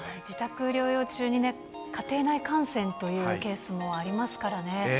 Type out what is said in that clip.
自宅療養中に家庭内感染というケースもありますからね。